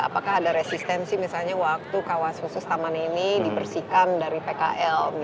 apakah ada resistensi misalnya waktu kawas khusus taman ini dibersihkan dari pkl